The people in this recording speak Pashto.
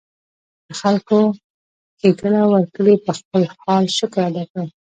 د خلکو ښېګړه وکړي ، پۀ خپل حال شکر ادا کړي